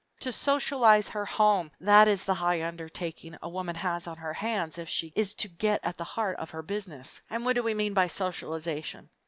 To socialize her home, that is the high undertaking a woman has on her hands if she is to get at the heart of her Business. And what do we mean by socialization?